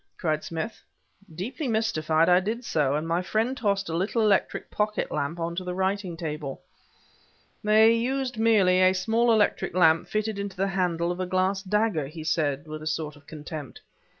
cried Smith. Deeply mystified, I did so... and my friend tossed a little electric pocket lamp on to the writing table. "They used merely a small electric lamp fitted into the handle of a glass dagger," he said with a sort of contempt.